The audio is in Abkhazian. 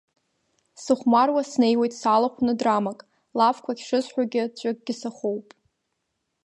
Сыхәмаруа снеиуеит салахәны драмак, лафқәак шысҳәогьы, ҵәыкгьы сахоуп.